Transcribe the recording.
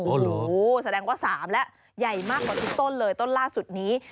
โอ้โหแสดงว่า๓แล้วใหญ่มากกว่าทุกต้นเลยต้นล่าสุดนี้